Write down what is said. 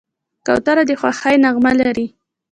کوتره د خوښۍ نغمه لري.